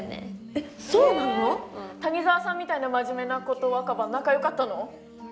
え谷沢さんみたいな真面目な子と若葉仲良かったの？